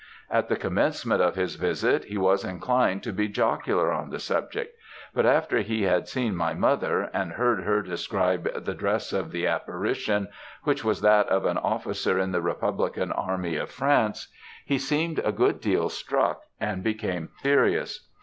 At the commencement of his visit, he was inclined to be jocular on the subject; but after he had seen my mother, and heard her describe the dress of the apparition, which was that of an officer in the Republican army of France, he seemed a good deal struck, and became serious.